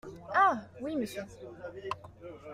Ah ! oui, Monsieur.